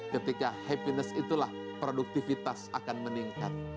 ketika happiness itulah produktivitas akan meningkat